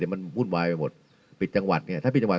มันวุ่นวายไปหมดปิดจังหวัดเนี่ยถ้าปิดจังหวัด